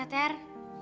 makasih banget ya